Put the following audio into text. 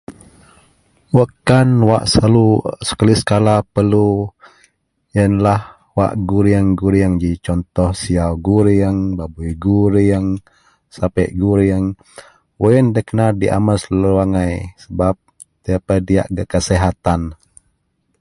Wakkan wak selalu, sekali sekala wak perelu yenlah wak gurieng-gurieng ji, contoh siyau gurieng, babui gurieng, sapek gurieng. Wak yen nda kena diamel selalu angai sebab ndabei diyak gak kesihatan